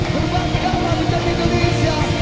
berbangkanglah kita di indonesia